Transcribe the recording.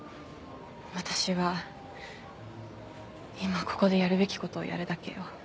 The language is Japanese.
私は今ここでやるべき事をやるだけよ。